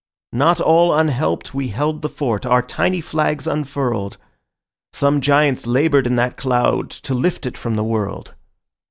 Not all unhelped we held the fort, our tiny flags unfurled; Some giants laboured in that cloud to lift it from the world.